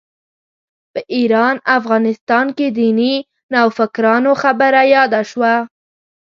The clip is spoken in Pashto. په ایران افغانستان کې دیني نوفکرانو خبره یاده شوه.